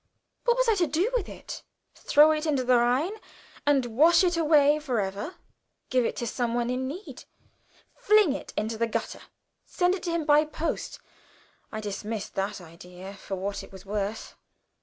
What was I to do with it? Throw it into the Rhine, and wash it away forever? Give it to some one in need? Fling it into the gutter? Send it him by post? I dismissed that idea for what it was worth.